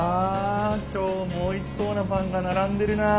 きょうもおいしそうなパンがならんでるなあ。